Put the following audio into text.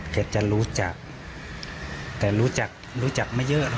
แกจะรู้จักแต่รู้จักไม่เยอะ